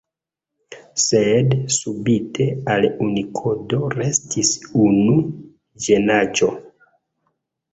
Sed spite al Unikodo restis unu ĝenaĵo.